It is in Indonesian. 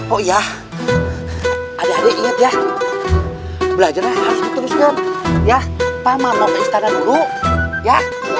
oh iya ada ada iya dia belajar harus teruskan ya paman mau ke istana dulu ya